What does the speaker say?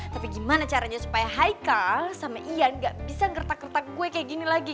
tapi gimana caranya supaya haika sama ian gak bisa ngertak gertak kue kayak gini lagi